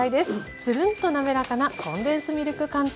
ツルンと滑らかなコンデンスミルク寒天。